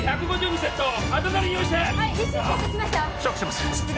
ショックします涼香！